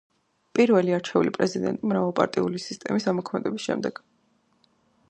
პირველი არჩეული პრეზიდენტი მრავალპარტიული სისტემის ამოქმედების შემდეგ.